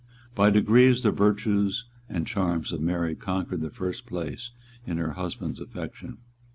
By degrees the virtues and charms of Mary conquered the first place in her husband's affection.